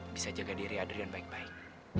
bisa jaga diri adrian baik baik